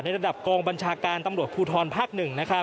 ในระดับกองบรรชาการตำรวจพูทนภาคหนึ่ง